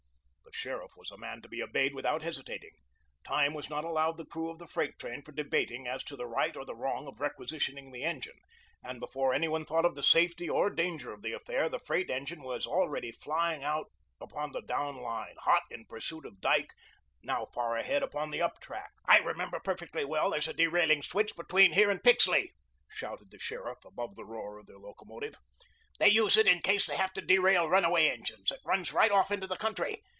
The sheriff was a man to be obeyed without hesitating. Time was not allowed the crew of the freight train for debating as to the right or the wrong of requisitioning the engine, and before anyone thought of the safety or danger of the affair, the freight engine was already flying out upon the down line, hot in pursuit of Dyke, now far ahead upon the up track. "I remember perfectly well there's a derailing switch between here and Pixley," shouted the sheriff above the roar of the locomotive. "They use it in case they have to derail runaway engines. It runs right off into the country.